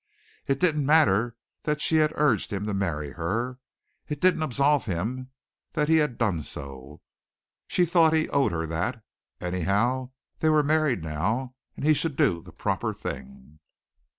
It didn't matter that she had urged him to marry her. It didn't absolve him that he had done so. She thought he owed her that. Anyhow they were married now, and he should do the proper thing.